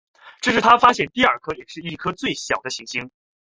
这是他发现的第二颗也是最后一颗小行星。